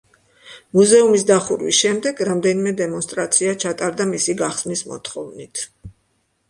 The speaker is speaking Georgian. მუზეუმის დახურვის შემდეგ რამდენიმე დემონსტრაცია ჩატარდა მისი გახსნის მოთხოვნით.